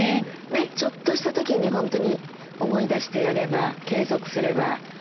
ちょっとした時に本当に思い出してやれば継続すれば。